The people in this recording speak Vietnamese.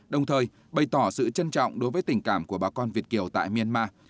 đồng thời bày tỏ sự trân trọng đối với tình cảm của bà con việt kiều tại myanmar